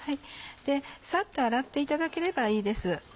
さっと洗っていただければいいです。